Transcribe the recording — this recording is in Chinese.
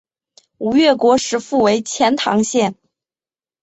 吴越国时复为钱唐县。